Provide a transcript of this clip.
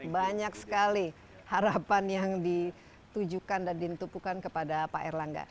banyak sekali harapan yang ditujukan dan ditupukan kepada pak erlangga